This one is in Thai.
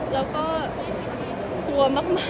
แล้วก็กลัวมาก